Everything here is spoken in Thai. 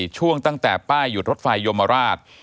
ช่วงตั้งแต่ป้ายหยุดรถไฟโยมราช